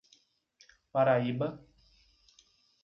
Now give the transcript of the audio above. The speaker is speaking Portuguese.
Paraíba